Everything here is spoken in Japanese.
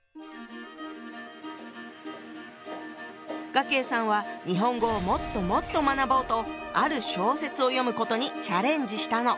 雅馨さんは日本語をもっともっと学ぼうとある小説を読むことにチャレンジしたの。